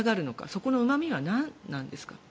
そこのうまみは何なんですか？